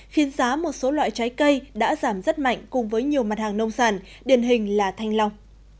khiến giá một số loại trái cây đã giảm rất mạnh cùng với nhiều mặt hàng nông sản điển hình là thanh long